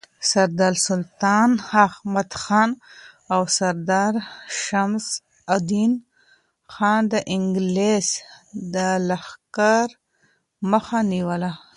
سردار سلطان احمدخان او سردار شمس الدین خان د انگلیس د لښکر مخه نیوله.